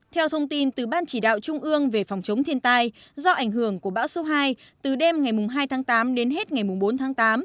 theo thông tin từ ban chỉ đạo trung ương về phòng chống thiên tai do ảnh hưởng của bão số hai từ đêm ngày hai tháng tám đến hết ngày bốn tháng tám